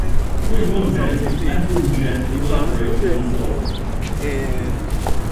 During one game, Andrew and Geoff collaborated on a goal.